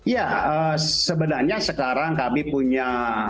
ya sebenarnya sekarang kami punya